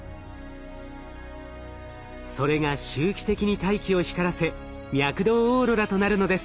それが周期的に大気を光らせ脈動オーロラとなるのです。